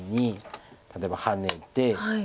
例えばハネて。